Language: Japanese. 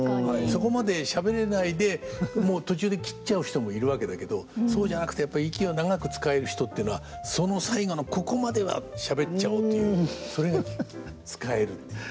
そこまでしゃべれないで途中で切っちゃう人もいるわけだけどそうじゃなくてやっぱり息を長く使える人っていうのはその最後のここまではしゃべっちゃおうというそれが使えるっていうか。